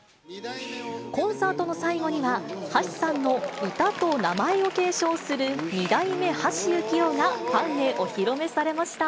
コンサートの最後には、橋さんの歌と名前を継承する、２代目橋幸夫がファンへお披露目されました。